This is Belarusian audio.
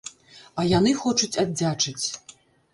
А яны хочуць аддзячыць.